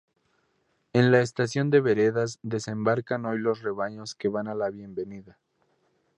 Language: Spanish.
En la estación de Veredas desembarcan hoy los rebaños que van a la Bienvenida.